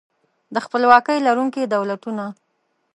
د خپلواکۍ لرونکي دولتونه